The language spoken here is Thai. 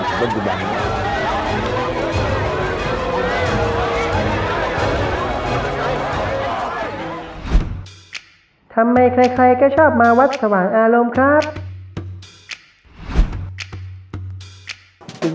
ทำไมใครก็ชอบมาวัดสว่างอารมณ์ครับ